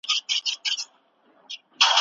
بریالیو خلکو خپله خوشالي څرګنده کړې ده.